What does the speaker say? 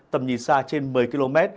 tầm nhìn xa trên một mươi km